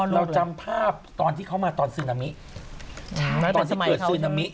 เราจำภาพตอนที่เขามาตอนสื่นามิ